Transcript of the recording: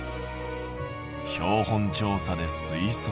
標本調査で推測。